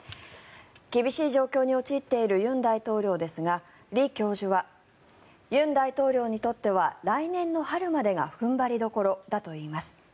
厳しい状況に陥っている尹大統領ですが李教授は尹大統領にとっては来年の春までが踏ん張りどころだといいます。